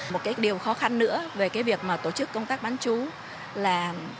nhiều khó khăn nữa về cái việc mà tổ chức công tác bán trú là